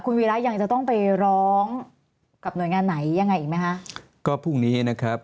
คุณวีระยังจะต้องไปร้องกับหน่วยงานไหนยังไงอีกไหมคะ